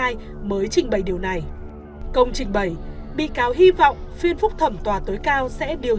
ai mới trình bày điều này công trình bày bị cáo hy vọng phiên phúc thẩm tòa tối cao sẽ điều